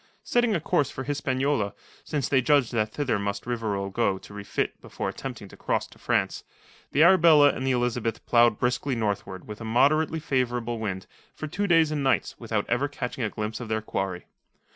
Setting a course for Hispaniola, since they judged that thither must Rivarol go to refit before attempting to cross to France, the Arabella and the Elizabeth ploughed briskly northward with a moderately favourable wind for two days and nights without ever catching a glimpse of their quarry.